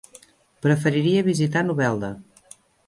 Preferiria visitar Novelda.